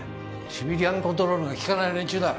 シビリアンコントロールが効かない連中だ